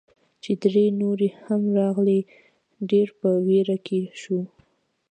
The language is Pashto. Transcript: چې درې نورې هم راغلې، ډېر په ویره کې شوو.